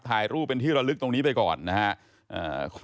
ถ่ายรูปเป็นที่ระลึกตรงนี้ไปก่อนนะครับ